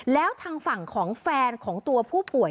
แล้วทางฝั่งของแฟนของตัวผู้ป่วย